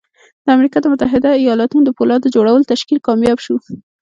د امريکا د متحده ايالتونو د پولاد جوړولو تشکيل کامياب شو.